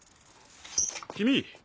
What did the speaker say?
君。